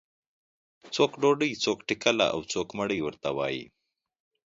څوک ډوډۍ، څوک ټکله او څوک مړۍ ورته وایي.